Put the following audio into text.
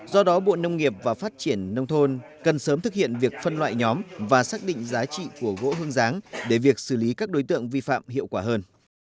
do đó bộ nông nghiệp và phát triển nông thôn cần sớm thực hiện việc phân loại nhóm và xác định giá trị của gỗ hương giáng để việc xử lý các đối tượng vi phạm hiệu quả hơn